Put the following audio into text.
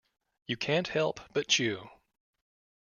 You can't help but chew!